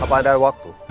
apa ada waktu